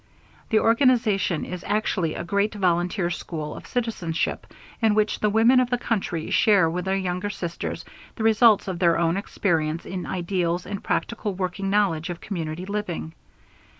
The organization is actually a great volunteer school of citizenship in which the women of the country share with their younger sisters the results of their own experience in ideals and practical working knowledge of community living.